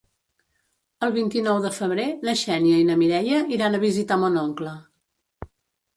El vint-i-nou de febrer na Xènia i na Mireia iran a visitar mon oncle.